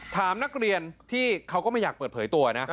ถามนักเรียนที่เขาก็ไม่อยากเปิดเผยตัวนะ